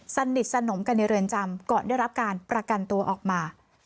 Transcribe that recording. สนิทสนมกันในเรือนจำก่อนได้รับการประกันตัวออกมา